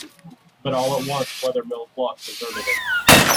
But all at once Wethermill's luck deserted him.